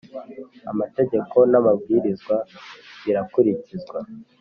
amategeko n’amabwirizwa birakurikizwa